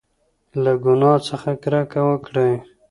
له ګناه څخه کرکه وکړئ.